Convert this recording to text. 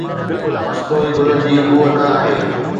مصنوعي گلن جي بوء نه آهي.